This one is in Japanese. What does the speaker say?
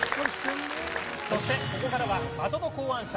そしてここからは的の考案者